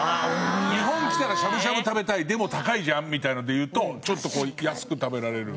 日本来たらしゃぶしゃぶ食べたいでも高いじゃんみたいなのでいうとちょっと安く食べられる。